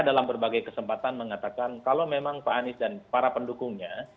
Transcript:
dan itu dikatakan mengatakan kalau memang pak anies dan para pendukungnya